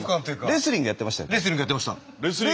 レスリングやってました。